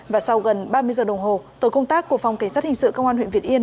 và sau gần ba mươi giờ đồng hồ tổ công tác của phòng cảnh sát hình sự công an huyện việt yên